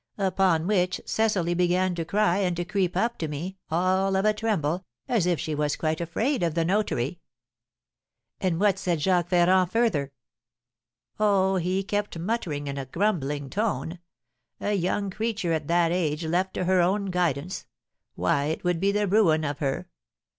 Upon which Cecily began to cry and to creep up to me, all of a tremble, as if she was quite afraid of the notary." "And what said Jacques Ferrand further?" "Oh, he kept muttering in a grumbling tone, 'A young creature at that age left to her own guidance! Why, it would be the ruin of her!